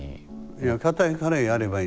いや硬いからやればいいんですよ。